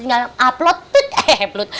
tinggal upload put eh heplut